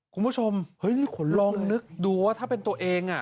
คุณผู้ชมคนนึกดูว่าถ้าเป็นตัวเอง